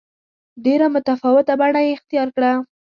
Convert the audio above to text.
ډېره متفاوته بڼه یې اختیار کړه.